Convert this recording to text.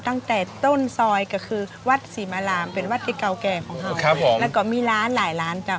ตั้งแต่ต้นซอย